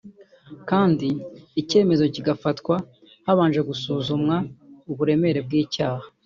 kandi icyemezo kigafatwa habanje gusuzumwa uburemere bw’icyaha